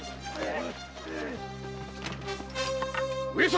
上様！